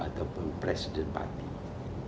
ataupun presiden parti